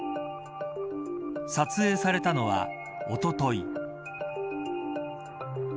撮影されたのは、おとといです。